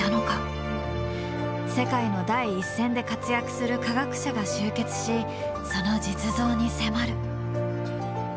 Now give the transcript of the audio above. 世界の第一線で活躍する科学者が集結しその実像に迫る。